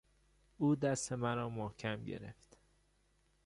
او دست مرا محکم گرفت.